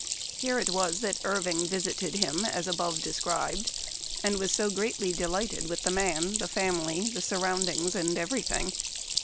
Here it was that Irving visited him, as above described, and was so greatly delighted with the man, the family, the surroundings, and every thing.